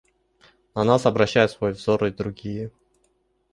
На нас обращают свой взор и другие.